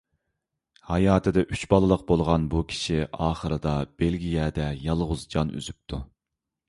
ھاياتىدا ئۈچ بالىلىق بولغان بۇ كىشى ئاخىرىدا بېلگىيەدە يالغۇز جان ئۈزۈپتۇ.